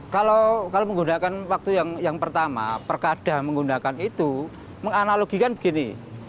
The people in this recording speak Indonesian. kalau menggunakan waktu yang pertama perkada menggunakan itu menganalogikan begini